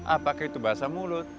apakah itu bahasa mulut